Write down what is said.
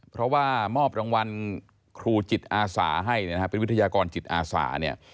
เพราะว่ามอบรางวัลครูจิตอาสาให้เนี่ยนะฮะเป็นวิทยากรจิตอาสาเนี่ย